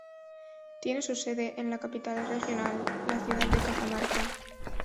Tiene su sede en la capital regional, la ciudad de Cajamarca.